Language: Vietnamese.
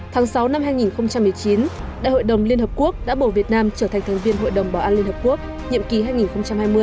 tháng sáu năm hai nghìn một mươi chín đại hội đồng liên hợp quốc đã bổ việt nam trở thành thành viên hội đồng bảo an liên hợp quốc